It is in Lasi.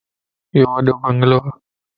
ايو وڏو بنگلوَ